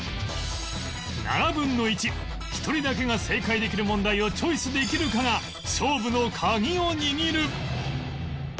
７分の１１人だけが正解できる問題をチョイスできるかが勝負の鍵を握る